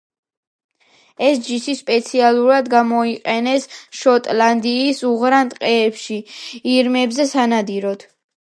ეს ჯიში სპეციალურად გამოიყვანეს შოტლანდიის უღრან ტყეებში ირმებზე სანადიროდ.